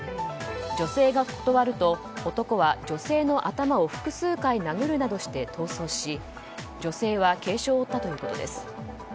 女性が断ると、男は女性の頭を複数回殴るなどして逃走し女性は軽傷を負ったということです。